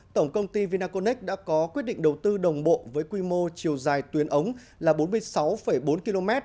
tổng công ty vinaconex đã có quyết định đầu tư đồng bộ với quy mô chiều dài tuyến ống là bốn mươi sáu bốn km